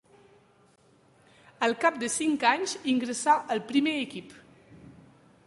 Al cap de cinc anys ingressà al primer equip.